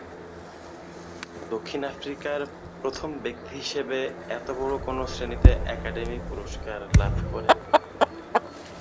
দক্ষিণ আফ্রিকার প্রথম ব্যক্তি হিসেবে এতবড় কোন শ্রেণীতে একাডেমি পুরস্কার লাভ করেন।